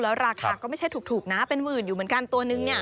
แล้วราคาก็ไม่ใช่ถูกนะเป็นหมื่นอยู่เหมือนกันตัวนึงเนี่ย